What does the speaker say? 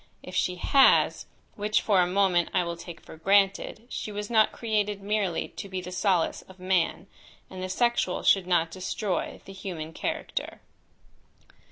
If she has, which, for a moment, I will take for granted, she was not created merely to be the solace of man, and the sexual should not destroy the human character.